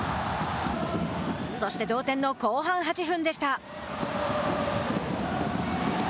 そして、同点の後半８分でした。